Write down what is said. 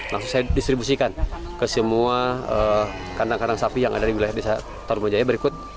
langsung saya distribusikan ke semua kandang kandang sapi yang ada di wilayah desa tarumajaya berikut